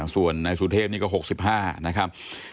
ส่วนนายสุเทพนี่ก็๖๕นะครับ